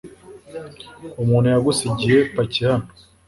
Umuntu yagusigiye paki hano.